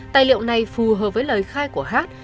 tài liệu này phù hợp với lời khai của hát